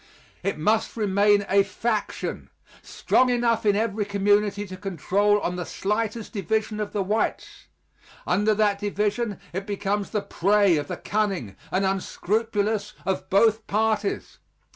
It must remain a faction strong enough in every community to control on the slightest division of the whites. Under that division it becomes the prey of the cunning and unscrupulous of both parties.